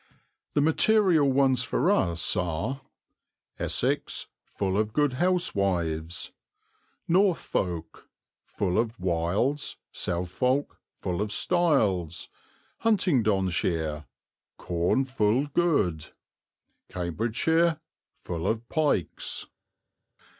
The material ones for us are: Essex, ful of good hoswyves, *....*....*....* Northfolk, ful of wyles, Southfolk, ful of styles, Huntingdoneshyre corne ful goode, *....*....*....* Cambridgeshire full of pykes.